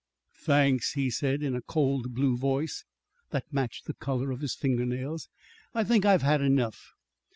"Thanks," he said, in a cold blue voice that matched the color of his finger nails. "I think I've had enough."